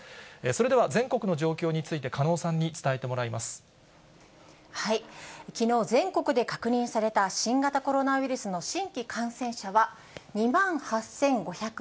それでは、全国の状況について、きのう、全国で確認された新型コロナウイルスの新規感染者は２万８５１０人。